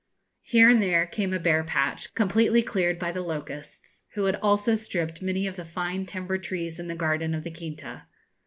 Here and there came a bare patch, completely cleared by the locusts, who had also stripped many of the fine timber trees in the garden of the quinta.